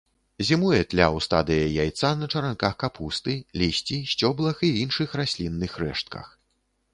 Зімуе тля ў стадыі яйца на чаранках капусты, лісці, сцёблах і іншых раслінных рэштках.